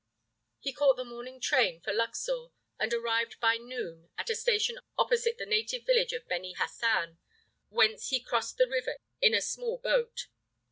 He caught the morning train for Luxor and arrived by noon at a station opposite the native village of Beni Hassan, whence he crossed the river in a small boat.